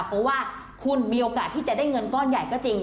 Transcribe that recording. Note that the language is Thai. เพราะว่าคุณมีโอกาสที่จะได้เงินก้อนใหญ่ก็จริง